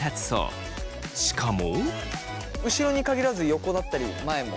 しかも。